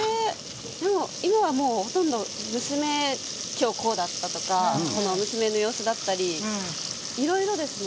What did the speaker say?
今はもう、ほとんど娘、今日こうだったとか娘の様子だったりいろいろですね。